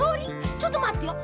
ちょっとまってよ。